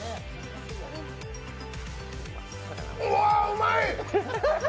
うわ、うまい！